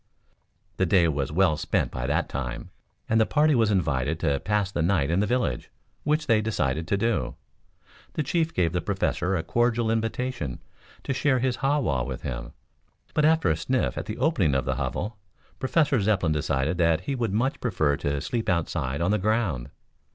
The day was well spent by that time, and the party was invited to pass the night in the village, which they decided to do. The chief gave the Professor a cordial invitation to share his ha wa with him, but after a sniff at the opening of the hovel Professor Zepplin decided that he would much prefer to sleep outside on the ground.